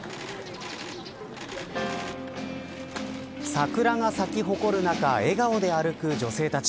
桜が咲き誇る中笑顔で歩く女性たち。